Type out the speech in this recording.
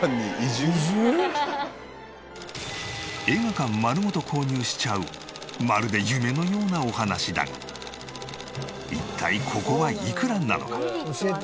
映画館丸ごと購入しちゃうまるで夢のようなお話だが一体ここはいくらなのか？